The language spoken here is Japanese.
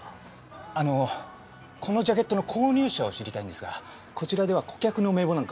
あのこのジャケットの購入者を知りたいんですがこちらでは顧客の名簿なんかは？